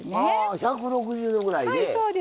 １６０度ぐらいで。